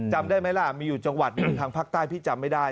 จำได้ไหมล่ะมีอยู่จังหวัดหนึ่งทางภาคใต้พี่จำไม่ได้